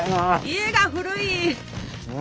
家が古い！